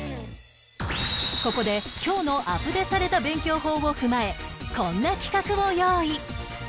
ここで今日のアプデされた勉強法を踏まえこんな企画を用意